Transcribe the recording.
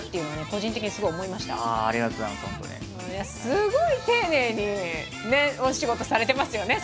すごい丁寧にお仕事されてますよね